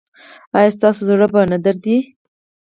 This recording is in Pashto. ایا ستاسو زړه به نه دریدي؟